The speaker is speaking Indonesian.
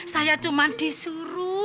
saya cuma disuruh